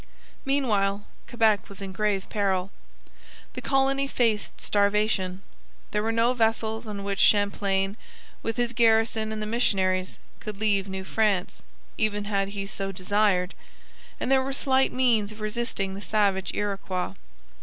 Meanwhile Quebec was in grave peril. The colony faced starvation. There were no vessels on which Champlain with his garrison and the missionaries could leave New France even had he so desired, and there were slight means of resisting the savage Iroquois.